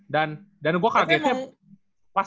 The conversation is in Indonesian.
dan dan gue kagetnya pas